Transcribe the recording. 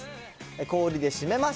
氷で締めます。